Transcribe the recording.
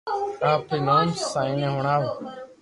آپري نوم سائين ني ھڻاو